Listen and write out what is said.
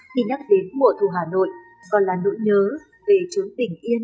khi nhắc đến mùa thu hà nội còn là nỗi nhớ về chốn tình yên